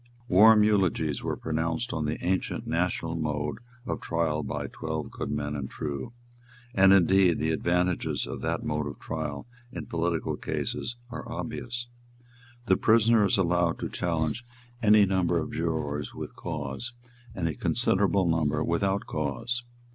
Warm eulogies were pronounced on the ancient national mode of trial by twelve good men and true; and indeed the advantages of that mode of trial in political cases are obvious. The prisoner is allowed to challenge any number of jurors with cause, and a considerable number without cause.